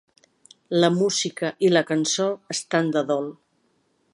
La música i la cançó estan de dol.